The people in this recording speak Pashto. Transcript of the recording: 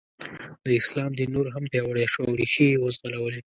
د اسلام دین نور هم پیاوړی شو او ریښې یې وځغلولې.